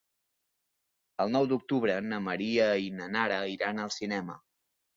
El nou d'octubre na Maria i na Nara iran al cinema.